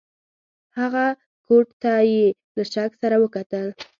هغه کوټ ته یې له شک سره وکتل.